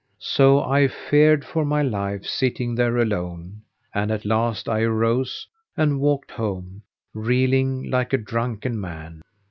So I feared for my life sitting there alone; and at last I arose and walked home reeling like a drunken man.